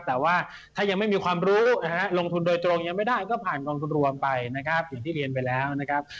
แต่ว่าถ้ายังไม่มีความรู้ลงทุนโดยตรงยังไม่ได้ก็ผ่านกองทุนรวมไปนะครับอย่างที่เรียนไปแล้วนะครับ